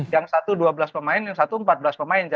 yang satu dua belas pemain yang satu empat belas pemain